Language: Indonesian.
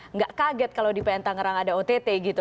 nggak kaget kalau di pn tangerang ada ott gitu